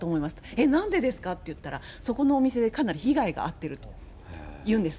えっ、なんでですかって言ったら、そこのお店で、かなり被害が遭ってるというんです。